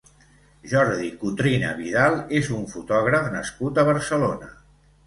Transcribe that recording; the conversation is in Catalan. Jordi Cotrina Vidal és un fotògraf nascut a Barcelona.